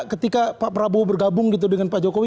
ketika pak prabowo bergabung gitu dengan pak jokowi